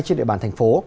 trên địa bàn thành phố